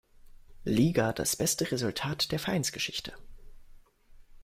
Liga das beste Resultat der Vereinsgeschichte.